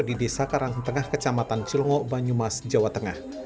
di desa karangtengah kecamatan cilongo banyumas jawa tengah